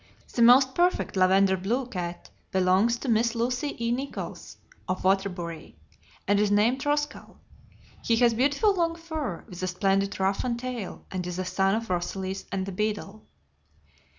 The most perfect "lavender blue" cat belongs to Miss Lucy E. Nichols, of Waterbury, Ct., and is named Roscal. He has beautiful long fur, with a splendid ruff and tail, and is a son of Rosalys and The Beadle.